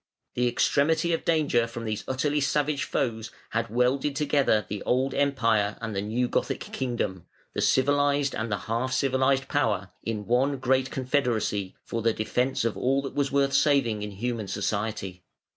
The extremity of the danger from these utterly savage foes had welded together the old Empire and the new Gothic kingdom, the civilised and the half civilised power, in one great confederacy, for the defence of all that was worth saving in human society.